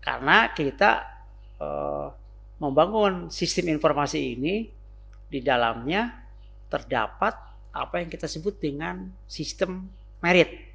karena kita membangun sistem informasi ini di dalamnya terdapat apa yang kita sebut dengan sistem merit